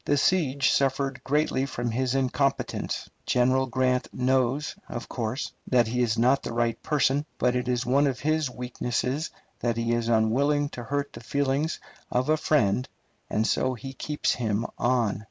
The siege suffered greatly from his incompetence. General Grant knows, of course, that he is not the right person; but it is one of his weaknesses that he is unwilling to hurt the feelings of a friend, and so he keeps him on.